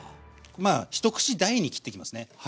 まあ一口大に切っていきますね。